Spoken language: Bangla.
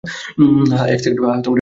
হ্যাঁ, এক সেকেন্ড সময় দাও।